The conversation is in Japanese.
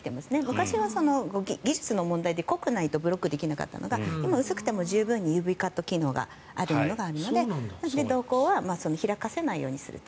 昔は技術の問題で濃くないとブロックできなかったのが今、薄くても十分にＵＶカット機能があるものがあるので瞳孔は開かせないようにすると。